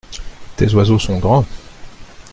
Tes oiseaux sont grands.